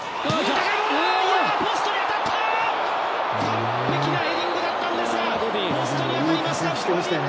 完璧なヘディングだったんですがポストに当たりました！